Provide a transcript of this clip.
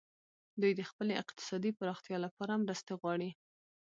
دوی د خپلې اقتصادي پراختیا لپاره مرستې غواړي